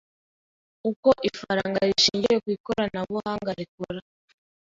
uko ifaranga rishingiye ku ikoranabuhanga rikora